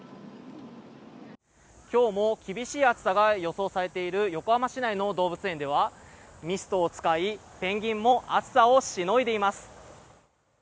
今日も厳しい暑さが予想されている横浜市内の動物園ではミストを使い、ペンギンも暑さをしのいでいます。